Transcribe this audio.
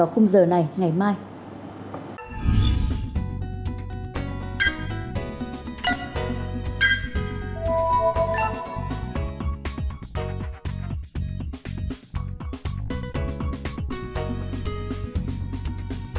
hẹn gặp lại